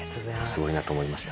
すごいなと思いました。